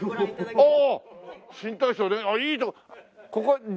ああ！